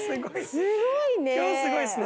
すごいね！